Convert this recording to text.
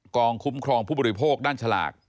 คุ้มครองผู้บริโภคด้านฉลาก